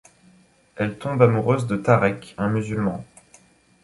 Elle tombe amoureuse de Tarek, un musulman.